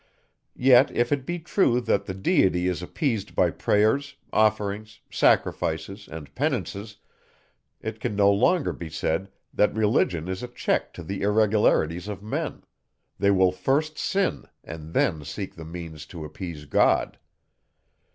Yet, if it be true that the Deity is appeased by prayers, offerings, sacrifices, and penances, it can no longer be said, that Religion is a check to the irregularities of men; they will first sin, and then seek the means to appease God.